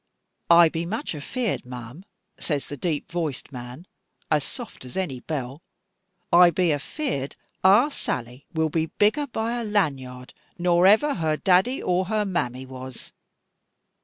'I be much afeared, ma'am,' says the deep voiced man, as soft as any bell, 'I be afeared our Sally will be begger by a lanyard nor ever her daddy or her mammy was.